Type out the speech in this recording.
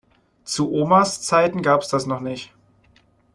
Zu Omas Zeiten gab es das noch nicht.